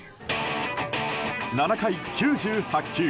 ７回９８球。